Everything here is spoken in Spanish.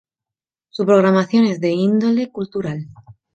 Su programación es de índole cultural.